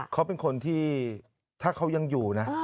เขาเป็นคนที่ถ้าเขายังอยู่นะ